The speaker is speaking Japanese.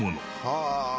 「はあ」